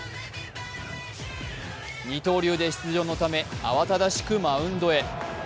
二刀流で出場のため慌ただしくマウンドへ。